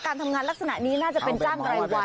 การทำงานลักษณะนี้น่าจะเป็นจ้างรายวัน